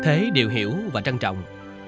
vì thế đều hiểu và trân trọng